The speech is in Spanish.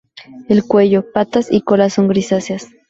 El cuello, patas y cola son grisáceas.